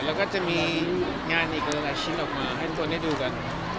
แล้วก็จะมีงานอีกหลายชิ้นออกมาให้ทุกคนได้ดูกัน